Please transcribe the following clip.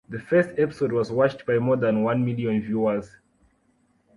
The first episode was watched by more than one million viewers.